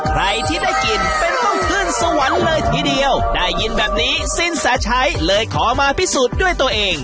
ใครที่ได้กินเป็นต้องขึ้นสวรรค์เลยทีเดียวได้ยินแบบนี้สินแสชัยเลยขอมาพิสูจน์ด้วยตัวเอง